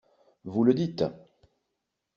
Vous le dites!